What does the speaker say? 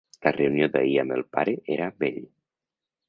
La reunió d'ahir amb el pare era amb ell.